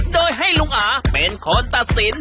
โดยให้ลุงอาเป็นคนตัดสิน